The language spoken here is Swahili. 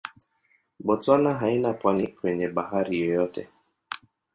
Botswana haina pwani kwenye bahari yoyote.